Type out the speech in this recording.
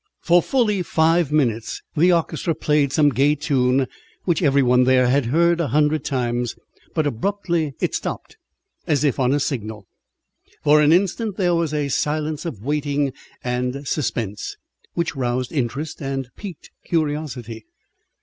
For fully five minutes the orchestra played some gay tune which every one there had heard a hundred times; but abruptly it stopped, as if on a signal. For an instant there was a silence of waiting and suspense, which roused interest and piqued curiosity.